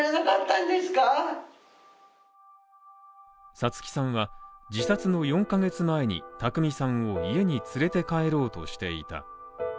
五月さんは自殺の４ヶ月前に拓巳さんを家に連れて帰ろうとしていた。